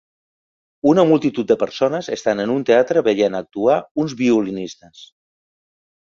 Una multitud de persones estan en un teatre veient actuar uns violinistes.